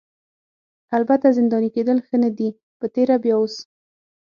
البته زنداني کیدل ښه نه دي په تېره بیا اوس.